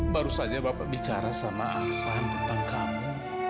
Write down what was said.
baru saja bapak bicara sama aksan tentang kamu